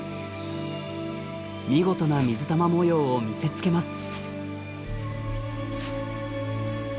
見事な水玉模様を見せつけます。